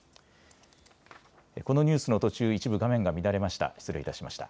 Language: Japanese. このニュースの途中、一部画面が乱れました。